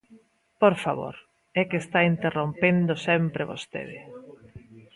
¡Por favor!, é que está interrompendo sempre vostede.